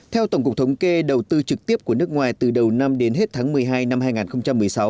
theo tổng cục thống kê đầu tư trực tiếp của nước ngoài từ đầu năm đến hết tháng một mươi hai năm hai nghìn một mươi sáu